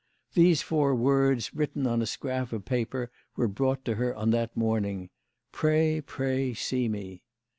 These four words written on a scrap of paper were brought to her on that morning: "Pray, pray, see me